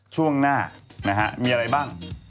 ช่วงหน้านะฮะมีอะไรบ้าง